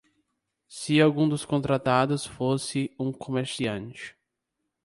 Se algum dos contratados fosse um comerciante.